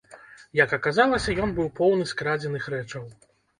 Як аказалася, ён быў поўны скрадзеных рэчаў.